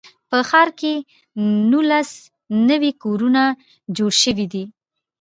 په ښار کې نولس نوي کورونه جوړ شوي دي.